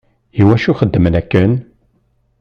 Iwacu xeddmen akken?